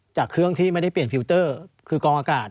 จากเครื่องที่ไม่ได้เปลี่ยนฟิลเตอร์